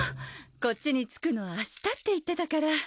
こっちに着くの明日って言ってたから。